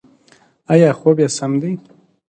ایا خوب یې سم دی؟